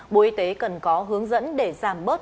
bộ y tế cần có hướng dẫn để giảm bớt